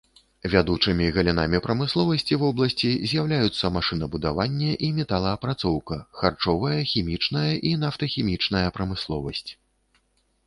Вядучымі галінамі прамысловасці вобласці з'яўляюцца машынабудаванне і металаапрацоўка, харчовая, хімічная і нафтахімічная прамысловасць.